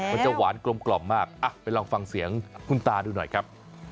มันจะหวานกลมมากไปลองฟังเสียงคุณตาดูหน่อยครับ